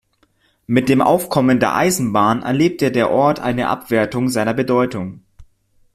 Mit dem Aufkommen der Eisenbahn erlebte der Ort eine Abwertung seiner Bedeutung.